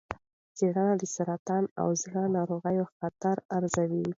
څېړنه د سرطان او زړه ناروغۍ خطر ارزوي.